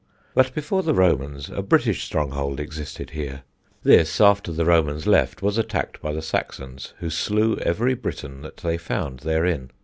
But before the Romans a British stronghold existed here. This, after the Romans left, was attacked by the Saxons, who slew every Briton that they found therein.